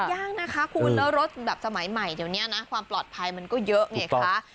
ยากนะคะคุณแล้วรถแบบสมัยใหม่เดี๋ยวนี้นะความปลอดภัยมันก็เยอะไงคะ